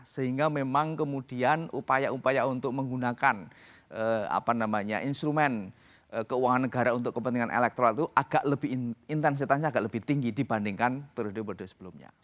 sehingga memang kemudian upaya upaya untuk menggunakan instrumen keuangan negara untuk kepentingan elektoral itu agak lebih intensitasnya agak lebih tinggi dibandingkan periode periode sebelumnya